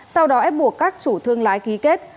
sau đó ép buộc các chủ thương lái ký kết